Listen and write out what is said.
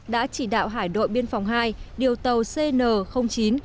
đã chỉ đạo hải đội biên phòng hai điều tàu cn chín